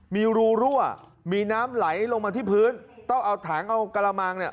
มีรูรั่วมีน้ำไหลลงมาที่พื้นต้องเอาถังเอากระมังเนี่ย